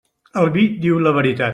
El vi diu la veritat.